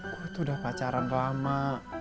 gue tuh udah pacaran lama